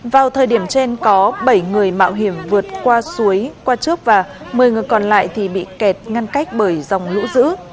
vào thời điểm trên có bảy người mạo hiểm vượt qua suối qua trước và một mươi người còn lại thì bị kẹt ngăn cách bởi dòng lũ dữ